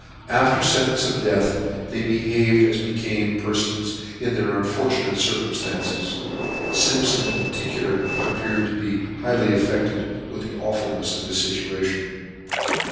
After fentence of death they behaved as became perfons in their unfortunate circumflances : Simp ion in particular appeared to be highly affected with the awfulnefs of his fituation.